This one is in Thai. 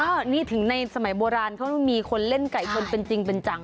อันนี้ถึงในสมัยโบราณเขามีคนเล่นไก่ชนเป็นจริงเป็นจัง